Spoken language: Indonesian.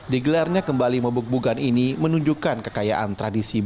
digelarnya kembali membuk bukan ini menunjukkan kekayaan tradisi bukit